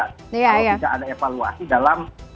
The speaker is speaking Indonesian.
kalau tidak ada evaluasi dalam